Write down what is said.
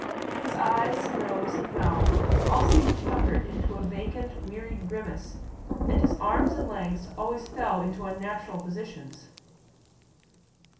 His eyes, nose, and mouth all seemed puckered into a vacant, wearied grimace, and his arms and legs always fell into unnatural positions.